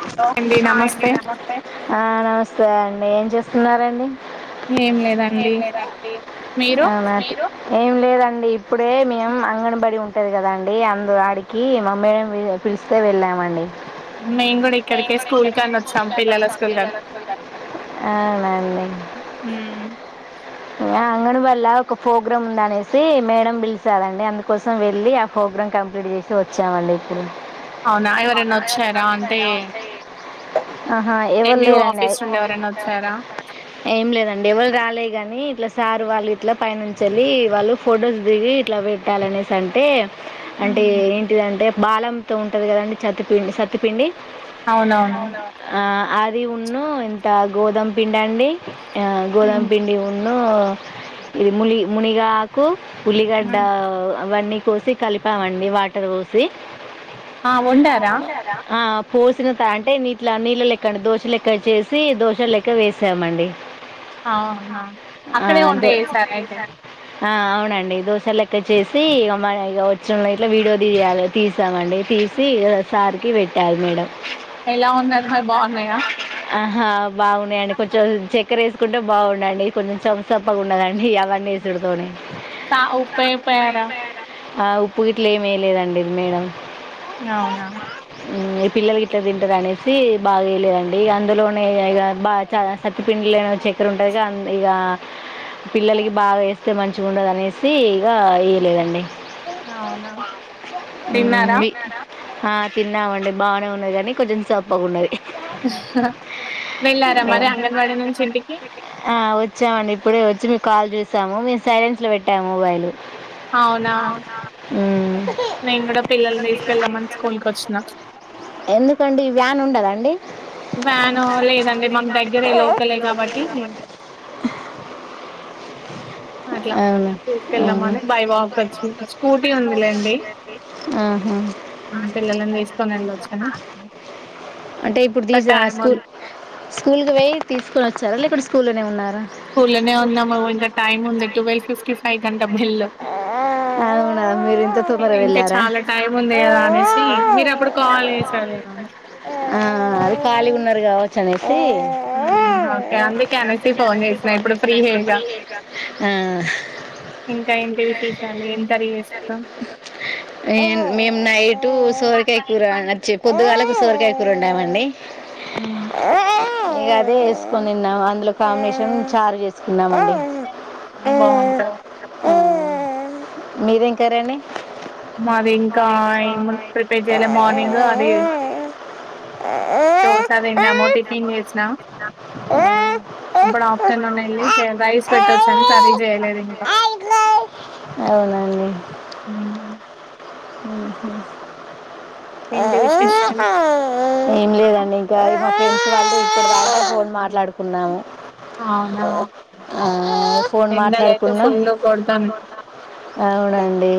Hello నమస్తే నమస్తే అండి చేస్తున్నారండి ఏం ఏ లేదండి లే మీరు ఏం లేదండి ఇప్పుడే మేము అంగనబడి ఉంటుంది కదండి అందు ఆడికి మ మేడమ్ పిలిస్తే వెళ్ళామండి మేం కూడా ఇక్కడికే స్కూల్ కని వచ్చాం అవున పిల్లల స్కూల్ కని అండి మ్మ్ అంగనవాల్ళ ఒక ప్రోగ్రామ్ ఉందనేసి మేడం పిలిచదండి అందుకోసం వెళ్ళి ఆ ప్రోగ్రాం కంప్లీట్ చేసి వచ్చామండి ఇప్పుడు అవునా ఎవరైనా వచ్చారా అంటే ఆహా ఎవరు ఎంఈఓ లేరండి ఆఫీస్ నుండి ఎవరైనా వచ్చారా ఏం లేదండి ఎవరు రాలే గాని ఇట్లా సార్ వాళ్ళు ఇట్లా పైనంచి వెళ్ళలి వాళ్ళు ఫొటోస్ దిగి ఇట్లా పెట్టాలనేసి అంటే. అంటే మ్మ్ ఏంటిదంటే బాలంతో ఉంటుంది కదండడి సత్తిపిండి సత్పిండి. అవునవును ఆ అది ఉన్న ఎంత గోధమ పిండా అండి ఆ గోదామ మ్మ్ పిండి ఉన్న ఇది ములి మునిగా కు ఉల్లిగడ్డ మ్మ్ అవన్నీ. కోసి కలిపామండి వాటర్ వో సి ఆ వండారా ఆ పోసిన త అంటే నీటి నీళ్ళ లెక్క అండి దోశ లెక్క చేసి దోశ లెక్క వేసామండి అవునా ఆ, అక్కడే దో ఉంటాయి సార్ అయితే ఆ అవునండి దోశ లెక్క చేసి ఇ మ ఇ వచ్చినళ్ ఇట్లా వీడియో తీయాలి తీసామండి తీసిసారికి పెట్టాలి మేడం. ఎలా ఉన్నమారి బాగున్నాయా ఆహా బాగున్నాయండి కొంచెం చె ఎక్కరేసుకుంట బాగుం ఉండండి కొంచెం చప్పగా ఉన్నదని అవన్నీసుడుతోనే సా ఉప్పేపోయారా ఆ ఉప్పు గిట్లో ఏమీ లేదండి మేడం అవునా ఉమ్, ఈ పిల్లలకి ఇట్లా తింటారు అనేసి బాగా వేయలేదండి అందులోనే ఇగా ఇ బా చ సతపిండిలైన చక్కెర ఉంటారు ఇక పిల్లలకి బాగా. అస్తే మంచిగా ఉండదునేసి ఇయలేదండి అవునా మ్మ్ తిన్నారా మీ ఆ తిన్నమండి బానే ఉన్నది కానీ కొంచెం సప్పగా ఉన్నది. వెళ్ళారా మరి అంగన్వాడీ నుంచి ఇంటికి. ఆ వచ్చామండి ఇప్పుడే వచ్చి మీము కాల్ చేసాము మేము సైలెన్స్ లో పెట్టాము మొబైల్. అవునా ఆ నేను కూడా పిల్లల్ని తీసుకెళ్దామని స్కూల్కి వచ్చిన ఎందుకండి వ్యాన్ ఉండదండి వ్యాన్ లేదండి మన దగ్గర ఏ లోకలే కాబట్టి అట్లా అవును అవును తీసుకెళ్దామని బై వాక్ వచి స్కూటీ ఉందిలేండి. ఆహా ఆ పిల్లలని తీస్తా అంటే ఇప్పుడు ఇంకా దిస్ ఆ టైం స్కూల్ ఉంది. స్కూల్కి పోయి తీసుకొని వచ్చారా లేకుంటే స్కూలనే ఉన్నార్ స్కూల్లోనే ఉన్నాము ఇంకా టైం ఉంది ట్వెల్వ్ ఫిఫ్టీ ఫైవ్ కంట బెల్. అవునా మీరిఇన్త తొందరగా ఇంకా వెళ్ళారా చాలా టైం ఉంది కదా అనేసి మీరు అప్పుడు కాల్ చేశార్ కదా కాల్ ఆ అది ఖాళీగా ఉన్నారు కావచ్చు అనేసి ఓకే అందుకనసి ఫోన్ చేసినా ఇప్పుడు ఫ్రీ హే గా ఆ ఇంకా ఏంటి విశేశాలు ఎమ్ కర్రీ చేసుకుందాం చెప్పద్దు వాళ్లకి సొరకాయ, కూరవండ అవ్వండి హ్మ్ అదే వేసుకొని తిన్నాం అందులో కాంబినేషన్ చారు చేసుకున్నామండి ఉమ్ బాగుంటది మీరేం కర్రి అండి మాది ఇంకా ఏముంది ప్రిపేర్ ఇయాల మార్నింగ్ అదే దోసా తిన్నాము టిఫిన్ చేసినాం ఇప్పుడు ఆఫ్టర్నూన్ వెళ్ళి రైస్ పెట్టొచ్చని కర్రీ చేయలేదు ఇంకా ఉ హు ఆ ఏంటి విశేషాలు ఏం లేదండి ఇంకా మా ఫ్రెండ్స్ వాళ్ళు ఇక్కడ దాకా వచ్చినారు ఫోన్ మాట్లాడుకున్నాము అవునా ఆ ఫోన్ ఎండలైతే మాట్లాడుకున్నా ఫుల్ కొడతానయి అవునండి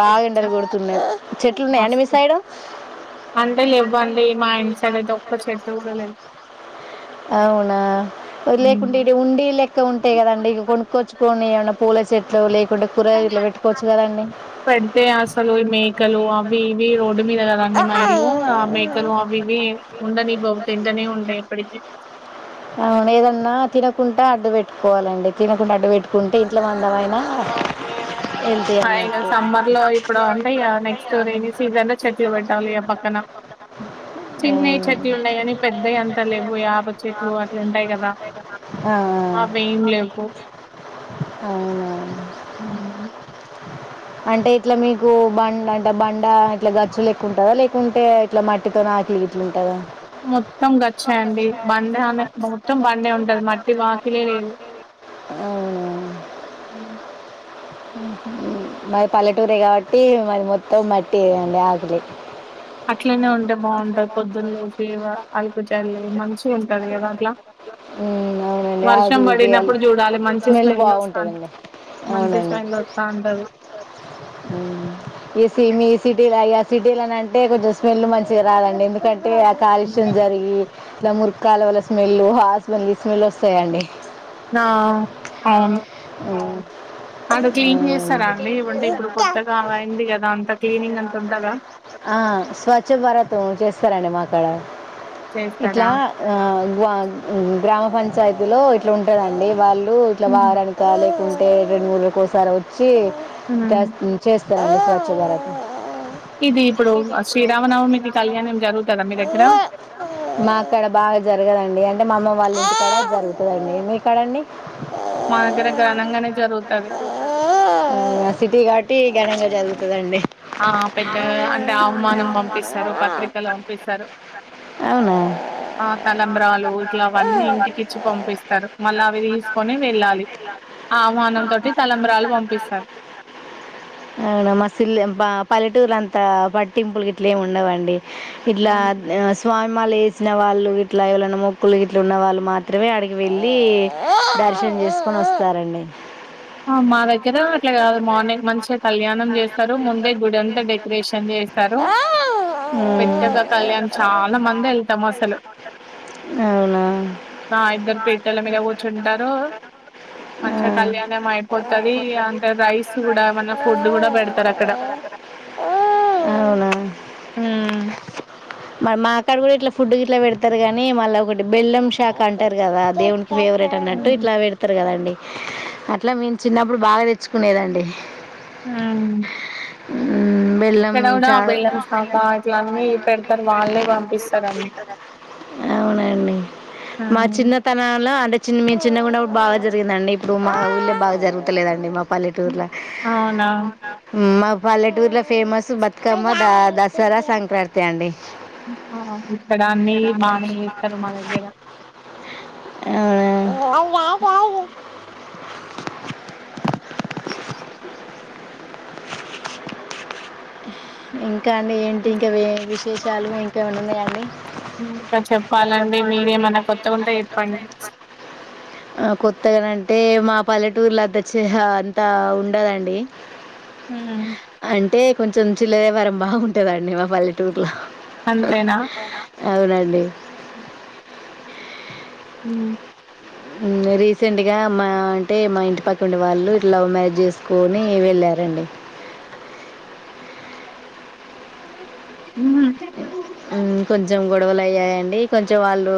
బాగా ఎండలు కొడుతున్నయి చెట్లున్నాయాడి మీ మస్తు సైడు అంటే లేవ్వండి మా ఇంటి సైడ్ అయితే ఒక్క చెట్టు కూడా లేదు అవునా ఉమ్. లేకుంటే ఇడ ఉండీ లెక్క ఉంటాయి కదండీ లెక్క కొనుక్కొచ్చుకని ఏమనా పూల చెట్లు లేకుంటే కూరగాయలు ఇట్లా పెట్టుకోవచ్చు కదండి పెడితే అసలు ఈ మేకలు అవి ఇవి రోడ్ మీద కదాండి మైలు ఆ మేకలు అవి ఇవి ఉండనివ్వవు తింటనే ఉంటాయి ఎప్పటికీ అవును ఏదన్నా తినకుండా అడ్డు పెట్టుకోవాలండి తినకుండా అడ్డు పెట్టుకుంటే ఇంట్లో మందమైనా వెళ్తాయి యిన అన్నట్టు సమ్మర్ లో ఇప్పుడు అంటే నెక్స్ట్ రైని సీజన్ లో చెట్ చెట్టు పెట్టాలి ఆ పక్కన చిన్నవి అవును. చెట్లు ఉన్నాయి కాని పెద్దవి అంత లేవు యాప చెట్లు అట్లుంటాయి కదా ఆ, అవి ఏం లేవు అవునవును అంటే ఇట్లా మీకు బండ అంటే బండ ఇట్లా గచ్చు లెక్క ఉంటుందా లేకుంటే ఇట్లా మట్టితో ఆకలి ఇట్లా ఉంటుందా అవును మొత్తం గచ్చాయండి బండే అనే మొత్తం బండే ఉంటది మట్టి వాకిలే లేవు మరి పల్లెటూరే కాబట్టి మాది మొత్తం మట్టి ఆకెలి అట్లనే ఉంటే బాగుంటాది పొద్దున్ లేసి అలుకు చాలడం తాంది మనుసు ఉమ్ అవునండి ఆ వర్షం బడినప్పుడు జూడాలి మంచి స్మెల్ ఒస్తాంది. బాగుంటదండి మంచి అవునండి స్మెల్ ఒస్తా ఉంటది. ఈ సీ మీసిటీ లాగా సిటీలనె అంటే కొంచం స్మెన్లు మంచి చిగరాదండి కంటే కాలుష్యం జరిగి ఇలా మురుక్ క్ కాలువల స్మెల్ హాస్మెల్ ఈ స్మెల్ వస్తాయండి నా అవున్ ప అదో క్లీన్ చేస్తార అండి ఇవి ఉంటాయ్ ఇప్పుడు కొత్తగా అయింది కదా అంత క్లీనింగ్ అంత ట్టుంట దా ఆ స్వచ్ఛ భారత్ చేస్తారంండి మా కాడ ఇట్లా చేస్తరా? అ వా గ్రామ పంచాయితీ లో ఇట్ల ఉంటాదండి వాళ్ళు ఇప్పుడు ఇట్ల హ్మ్. వారనికి ఖాలి లేకుంటే టీ రెండు మూడు ఒకసారి వచ్చి ఛీ చా హ్మ్. చేస్ ఛ అండి స్వచ్ఛ భారత్ ఇది ఇప్పుడు శ్రీరామనవమికి కళ్యాణం జరుగుతదా మీ దగ్గర? మా క్కాడ బాగా జరగదండి అంటే మా అమ వాళ్ళ ఇంటికాడ జరుగుతుందండి మీ కాడ అండి మా దగ్గర ఘనంగానే జరుగుతది టీ ఘనంగా జరుగుతుదండి ఆ పెద్దగా అంటే అహ్హనం పంపిస్తారు పత్రికలు పంపిస్తారు అవున తలంబ్రాలు ఇట్ల అవన్నీ ఇంటికిచ్చి పంపిస్తారు మళ్ళీ అవి తీ కొనే తలంబ్రాలు పంపిస్తారు [unintelligible] అవున మసిల్లె బ పల్లెటూర్ లో అంతా పట్టింపులు గిట్లేమి ఉండవండి ఇట్ల అంతే. స్వామి మాలేసిన వాళ్ళు ఇట్ల ఎవలన్నా మొక్కులు ఇట్ల ఉన్న వాళ్ళు మాత్రమే అడికి వెళ్ళి దర్శనం చేస్తు కొనస్తారండి ఆ! మా వైప్ [unintelligible] హ్మ్మ్ చేస్తారు ముందే గుడి అంతా డెకరేషన్ చేస్తారు పెద్దగా కళ్యాణం చాలా మంది వెళ్తాం అసలు అవునా ఆ ఇద్దరు పీటల మీద కూర్చుంటారు మేము అయిపోతది [unintelligible] అంటే రైస్ కూడా మన ఫుడ్ కూడా పెడతారు అక్కడ అవునా మరి మాకాడ కూడా ఇట్లా ఫుడ్ గిట్లా పెడతారు కాని వాళ్లు ఒకటి బెల్లం షాక అంటారు కదా దేవు ఫేవరెట్ అన్నట్టు ఇట్లా పెడతారు కదండి అట్లా మేము చిన్నప్ ప్పుడు బాగా తెచ్చుకునేదండి హ్మ్మ్ ఉమ్, బెల్లం ఇక్కడ కూడా ఆ చా బెల్లం షకా ఇట్ల అన్నీ పెడతారు వాళ్ళే పంపిస్తారు అన్ని అవునండి మా చిన్నతనంలో అంటే చిన్న మీ చిన్నగా ఉన్నప్పుడు బాగా జరిగింది అండి ఇప్పుడు మాఊళ్ళే బాగా జరుగు లేదండి మాక్ పల్లెటూర్ల అవునా మా పల్లెటూర్లో ఫేమస్ బతుకమ్మ ద దసరా సంక్రాంతి అండి ఆ ఇక్కడ అన్ని [unintelligible] బానే చేస్తారు మా దగ్గర [inaudible] అవునా [unintelligible] ఇం కానీ ఏంటి ఇంకా విశేషాలు ఇంకా ఏమయినా ఉన్నాయ అండి ఇంకా [unintelligible] చెప్పాలండి చెప్పాలి అండి మీరేమన్నా మీరు ఏమి కొత్తగుంటే చెప్పండి అయిన [inaudible] కొత్తగా టే మా పల్లెటూర్ల ద్ద చిహా అంతా ఉండదండి హ అంటే కొంచెం చిల్లరెవ్వరం బాగుంటుదండి మా పల్లెటూర్లో అంతేనా అవునండి ఉ హ రీసెంట్ గా మా అంటే మా ఇంటి పక్క ఉండే వాళ్ళు ఇ లవ్ మ్యారేజ్ చేసు కొని వెళ్ళారండి ఉహు హమ్ కొంచెం గొడవలు అయ్యాయండి కొంచెం వాళ్ళుా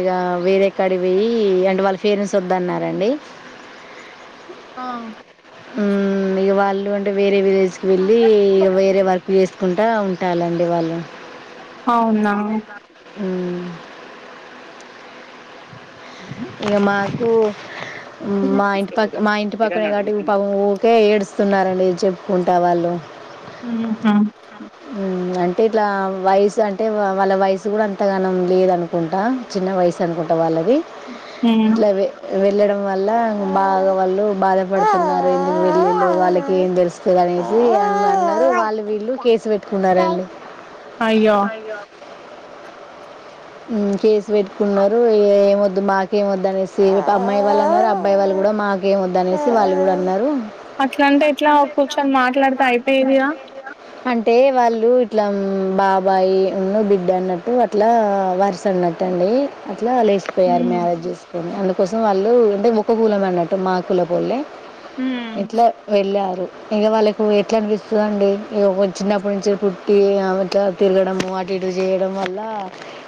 ఇక వేరేక్కడి పోయి అంటే వాళ్ళ పేరెంట్స్ వద్దన్నారండి ఆ హ్మ్మ్ మీ వాళ్ళు అంటే వేరే విలేజ్కి వెల్లి వేరే వర్క్ చేసుకుంటా ఉ టా లండి వాళ్ళు అవునా హ్మ్మ్ ఇక మాకు మా ఇంటి పక్క మా ఇంటి పక్కనే కాబట్టి పాపమ్ ఊరికే ఏడుస్తున్నారండి చెప్పుకుంటా వాళ్ళు ఊహూ అంటే ఇట్లా వయసు అంటే వాళ్ళ వయసు కూడా అంతగానం లేదు అనుకుంటా చిన్న వయసు అనుకుంటా వాళ్ళకి ఉ మ్మ్ గవే వెళ్ళడం వల్ల బాగా వాళ్ళు బాధ వడుతున్నారు [unintelligible] వాలకి ఏం తెలుసు స్తది అనేసి అన్ అన్నరు వాళ్ళు వీళ్ళు కేసు పెట్ కున్నారండి అయ్యో ఉ కేసు పెట్టుకున్నరు ఏం వద్దు మాకే వద్ అనేసి ఇటు అమ్మాయి వాళ్ళు అన్నరు అబ్బాయి వాళ్ళు కూడా మాకేమ వద్ద అనేసి వాళ్ళు కూడా అన్నారు అట్లంటే ఎట్లా కూచన్ మాట్లాడితే అయిపోయేదిగా అంటే వాళ్ళు ఇట్లా ఊ బాబాయి ఉన్ను బిడ్డ అన్నట్టు అట్లా వరుస అన్నట్టండి ఇట్లా లేసిపోయారు మ్మ్ మ్యారేజ్ చేసుకొని అందు కోసం వాళ్ళు అంటే ముకు గూలం అన్నట్టు మా కుల పోల్లే ఎట్ల వెళ్ళారు ఇంక వాళ్ళకు ఎట్లా అనిపిస్తుంది అండి ఇగ కొ చిన్నప్పటి నుంచి పుట్టి ఆ ఇట్ల తిరగడము అటు ఇటు చేయడం వల్ల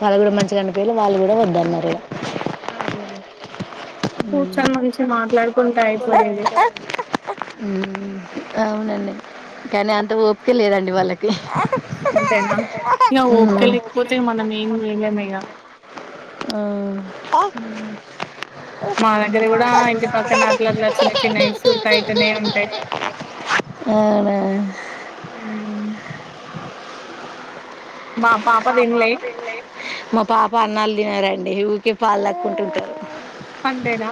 అది కూడా మంచిగనిపియలే వాళ్ళు కూడా వద్దన్నరు ఇగ అయ్యో కూర్చొని మాగుచి మాట్లాడు కుంటే అయిపోయేది ఊ అవునండి కానీ అంత ఓపిక లేదండి వాళ్ళకి ఉంటేనా ఇక హ్మ్. ఓపకలేకపోతే మనం ఏం చేయలేం ఇగ ఆవును ఊ మా దగ్గర కూడా ఇంటి పక్కనా అట్లట్ల చిన్న చిన్న ఇష్యూసయితనే ఉంటయి. అవునా! ఊ తిన్లే మా పాపా అన్నాలు తినర అండి ఊకె పాల్ దాక్కుంటుంటరు అంతేనా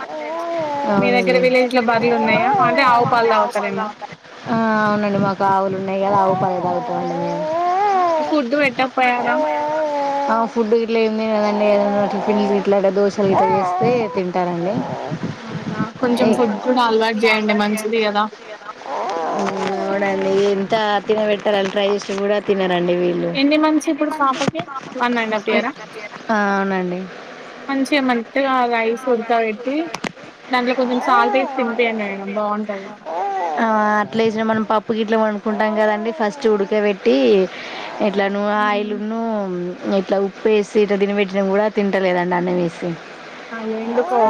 మీ దగ్గర అవునండి విలేజ్ లో బర్లు ఉన్నాయా అంటే ఆవు పాలు తాగుతారేమో ఆ అవునండి మాకు ఆవులు ఉన్నయి కదా ఆవు పాలు దాగుతమండి మేమ్ ఎ ఫుడ్ పెట్ ఆ ఫుడ్ గిట్ల ఏం తినదం ఏదనా టిఫిన్లు ఇట్లా దోశలు ఇట్లా చేస్తే తింటారండి అవునా కొంచెం ఫుడ్ కూడా అలవాటు చేయండి మంచిది కదా అవుడండి ఎంత తినబెట్టాలని ట్రై చేస్తే కూడా తిన రండి వీళ్ళు ఎన్ని మంత్స్ ఇప్పుడు పాపకి వన్ అండ్ అప్ ఇయరా ఆ అవునండి మంచిగా మెత్తగారైస్ ఉడక పెట్టి దాంట్లో కొంచెం సాల్ట్ వేసి తినిపియండి అయిన బాగుంటది కుంటాం కదండి ఫస్ట్ ఉడకబెట్టి ఇట్లా నూనె హ్మ్. లున్నూ ఉంది ఇట్లా ఉప్పు వేసి ఇట్లా తినిబెట్టిన కూడా తింటలేదండి అన్నం వేసి అయ్యో ఎందుకో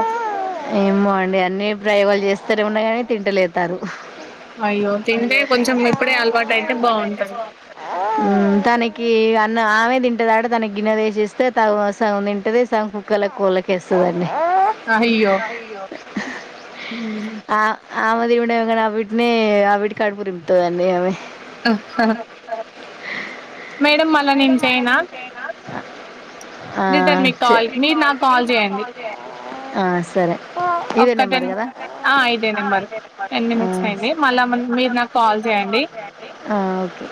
ఏమో అండి అన్ని ప్రయోగాలు చేస్తానే ఉన్నా గానీ తింటలేదు తను అయ్యో తింటే కొంచెం ఇప్పుడే అలవాటు అయితే బాగుంటది హు తనకి ఆమె తింటదాట తన గిన్నె వేసిస్తే సగం తింటది సగం కుక్కలకి కోళ్ళ కి వేస్తది అండి ఆమె అయ్యో హ్మ్. [unintelligible] బిడ్డనే వాటికి కడుపు నింపుతాది అండి అమె ఆహా మేడం మకి ఇంగ నేను చేయనా ఆ రిటర్న్ మీకు చె కాల్ మీరు నాకు కాల్ చేయండి ఆ సరే ఇదే ఒక్క నెంబరు టెన్ కదా ఆ ఇదే నెంబరు టెన్ మినిట్స్ అయింది మళ్ళా మీరు నాకు కాల్ చేయండి ఓకే